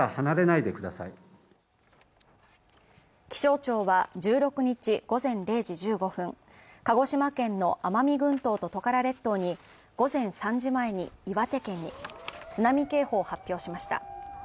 気象庁は１６日午前０時１５分、鹿児島県の奄美群島とトカラ列島に午前３時前に、岩手県に津波警報を発表しました。